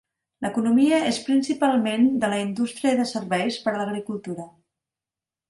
L'economia és principalment de la indústria de serveis per a l'agricultura.